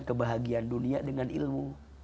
kebahagiaan dunia dengan ilmu